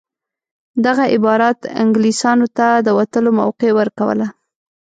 دغه عبارت انګلیسیانو ته د وتلو موقع ورکوله.